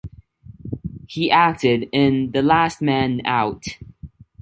He acted in "The Last Man Out".